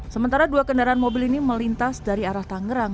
sementara dua kendaraan mobil ini melintas dari arah tangerang